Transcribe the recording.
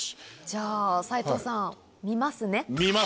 じゃあ斉藤さん見ますね？